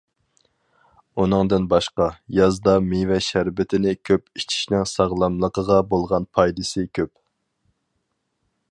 ئۇنىڭدىن باشقا، يازدا مېۋە شەربىتىنى كۆپ ئىچىشنىڭ ساغلاملىقىغا بولغان پايدىسى كۆپ.